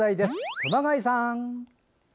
熊谷さん！